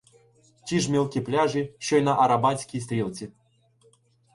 Ті ж мілкі пляжі, що й на Арабатській стрілці